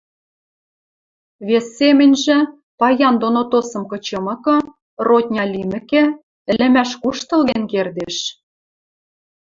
Вес семӹньжӹ, паян доно тосым кычымыкы, родня лимӹкӹ, ӹлӹмӓш куштылген кердеш.